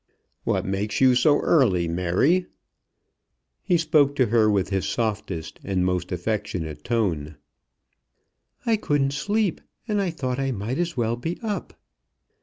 "What makes you so early, Mary?" He spoke to her with his softest and most affectionate tone. "I couldn't sleep, and I thought I might as well be up."